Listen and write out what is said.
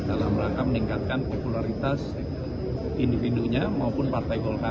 dalam rangka meningkatkan popularitas individunya maupun partai golkar